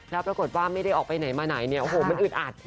แล้วปรากฏว่าไม่ได้ออกไปไหนมาไหนเนี่ยโอ้โหมันอึดอัด